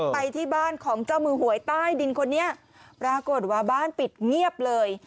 ไปที่บ้านของเจ้ามือหวยใต้ดินคนนี้ปรากฏว่าบ้านปิดเงียบเลย